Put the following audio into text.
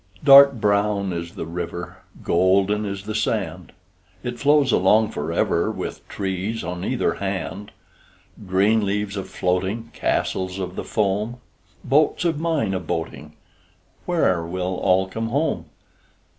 Dark brown is the river, Golden is the sand. It flows along forever With trees on either hand. Green leaves a floating, Castles of the foam, Boats of mine a boating Where will all come home?